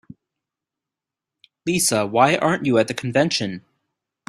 Lisa, why aren't you at the convention?